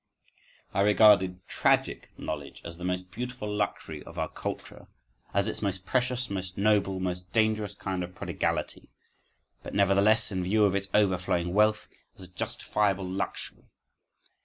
—I regarded tragic knowledge as the most beautiful luxury of our culture, as its most precious, most noble, most dangerous kind of prodigality; but, nevertheless, in view of its overflowing wealth, as a justifiable luxury.